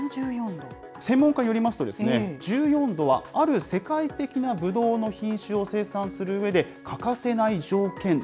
専門家によりますと、１４度は、ある世界的なブドウの品種を生産するうえで、欠かせない条件